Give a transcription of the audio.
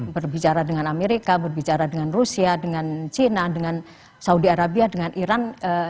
berbicara dengan amerika berbicara dengan rusia dengan china dengan saudi arabia dengan iran